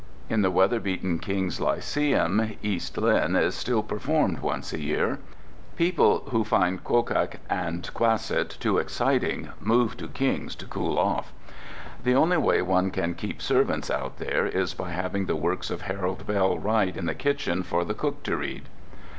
In the weather beaten Kings Lyceum "East Lynne" is still performed once a year. People who find Quoguc and Cohasset too exciting, move to Kings to cool off. The only way one can keep servants out there is by having the works of Harold Bell Wright in the kitchen for the cook to read.